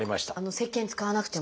せっけん使わなくても？